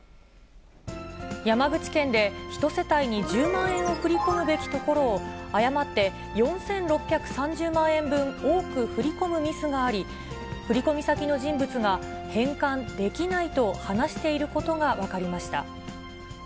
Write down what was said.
山口県で１世帯に１０万円を振り込むべきところを、誤って４６３０万円分多く振り込むミスがあり、振り込み先の人物が返還できないと話していることが分かりました。